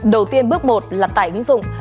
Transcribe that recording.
đầu tiên bước một là tải ứng dụng